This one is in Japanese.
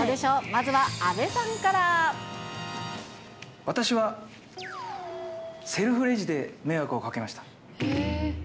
まずは、私は、セルフレジで迷惑をかけました。